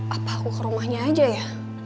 apa aku ke rumahnya aja ya